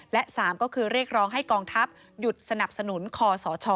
และ๓ก็คือเรียกร้องให้กองทัพหยุดสนับสนุนคอสช